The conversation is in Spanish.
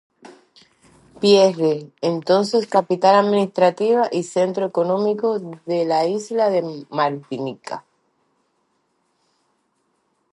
Pierre, entonces capital administrativa y centro económico de la isla de Martinica.